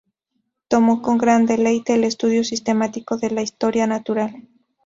Tomó con gran deleite el estudio sistemático de la Historia natural.